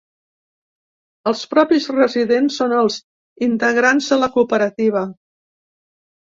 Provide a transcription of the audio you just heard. Els propis resident són els integrants de la cooperativa.